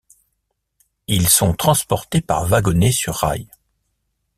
Ils sont transportés par wagonnets sur rails.